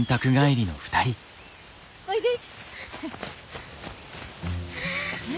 おいで。